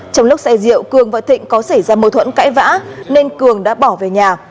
trong lúc say rượu cường và thịnh có xảy ra mâu thuẫn cãi vã nên cường đã bỏ về nhà